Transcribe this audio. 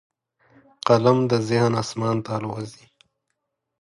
قلم د ذهن اسمان ته الوزي